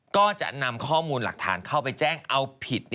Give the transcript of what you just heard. ก็จะนำข้อมูลหลักฐานเข้าไปแจ้งเอาผิด